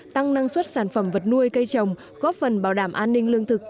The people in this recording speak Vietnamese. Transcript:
tăng năng suất sản phẩm vật nuôi cây trồng góp phần bảo đảm an ninh lương thực